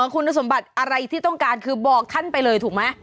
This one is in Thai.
คุณสมบัติอะไรที่ต้องการคือบอกท่านไปเลยถูกไหม